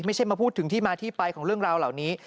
ไม่ใช่มาพูดถึงที่มาที่ไปของเรื่องราวเหล่านี้